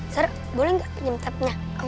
zara boleh gak minjem tap nya